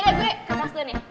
yaudah gue kemas dulu nih